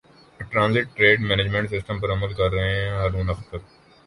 transit trade management system پر عمل کر رہے ہیں ہارون اختر